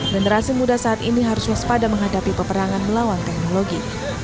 generasi muda saat ini harus waspada menghadapi peperangan melawan teknologi